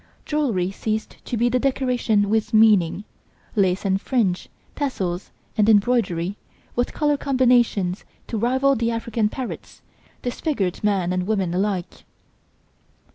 Jewelry ceased to be decoration with meaning; lace and fringe, tassels and embroidery, with colour combinations to rival the African parrots, disfigured man and woman alike.